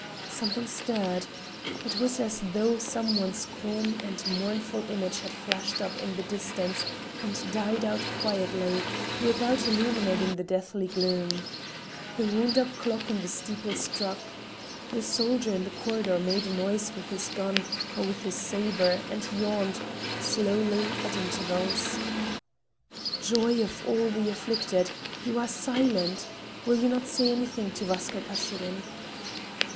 Something stirred. It was as though some one's calm and mournful image had flashed up in the distance and died out quietly, without illuminating the deathly gloom. The wound up clock in the steeple struck. The soldier in the corridor made a noise with his gun or with his saber and he yawned, slowly, at intervals. "Joy of all the afflicted! You are silent! Will you not say anything to Vaska Kashirin?"